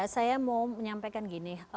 saya mau menyampaikan gini